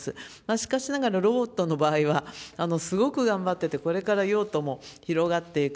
しかしながらロボットの場合は、すごく頑張ってて、これから用途も広がっていく。